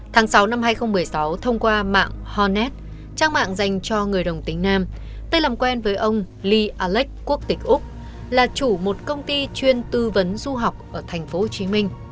tháng sáu năm hai nghìn một mươi sáu thông qua mạng honet trang mạng dành cho người đồng tính nam tôi làm quen với ông lee alex quốc tịch úc là chủ một công ty chuyên tư vấn du học ở tp hcm